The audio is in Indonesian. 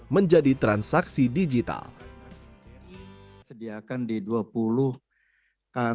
menjadi yang terbaik